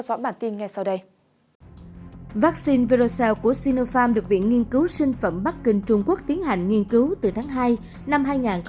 sinovac được viện nghiên cứu sinh phẩm bắc kinh trung quốc tiến hành nghiên cứu từ tháng hai năm hai nghìn hai mươi